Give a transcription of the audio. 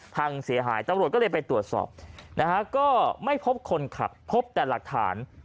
พังเสียหายตำรวจก็เลยไปตรวจสอบนะฮะ